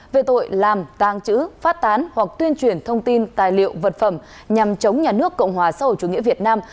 về tội làm tàng trữ phát tán hoặc tuyên truyền thông tin tài liệu vật phẩm nhằm chống nhà nước cộng hòa xã hội chủ nghĩa việt nam